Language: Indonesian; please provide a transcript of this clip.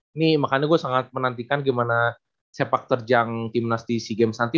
ini makanya gue sangat menantikan gimana sepak terjang timnas di sea games nanti